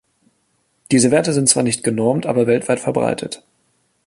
Diese Werte sind zwar nicht genormt, aber weltweit verbreitet.